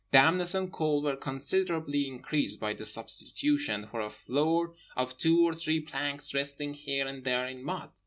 Dampness and cold were considerably increased by the substitution, for a floor, of two or three planks resting here and there in mud.